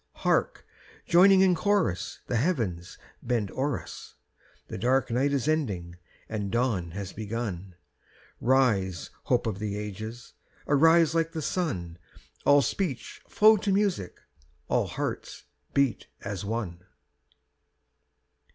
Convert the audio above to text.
Hark! joining in chorus The heavens bend o'er us' The dark night is ending and dawn has begun; Rise, hope of the ages, arise like the sun, All speech flow to music, all hearts beat as one!